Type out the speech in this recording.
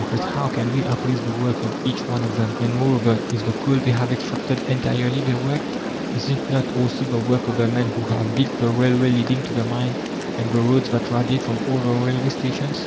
But how can we appraise the work of each one of them? And, moreover, Is the coal they have extracted entirely their work? Is it not also the work of the men who have built the railway leading to the mine and the roads that radiate from all the railway stations?